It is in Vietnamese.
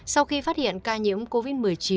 sau khi phát hiện ca nhiễm covid một mươi chín